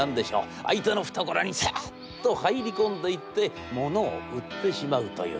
相手の懐にサッと入り込んでいって物を売ってしまうという。